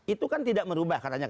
itu kan tidak merubah